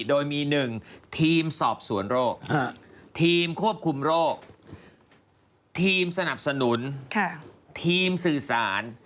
โดยมี๑ทีมสอบสวนโรคทีมควบคุมโรคทีมสนับสนุนทีมสื่อสาร